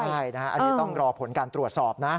ใช่นะฮะอันนี้ต้องรอผลการตรวจสอบนะ